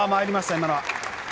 今のは。